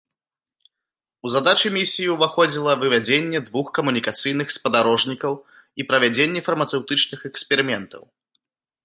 У задачы місіі ўваходзіла вывядзенне двух камунікацыйных спадарожнікаў і правядзенне фармацэўтычных эксперыментаў.